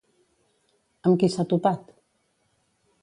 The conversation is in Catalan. Amb qui s'ha topat?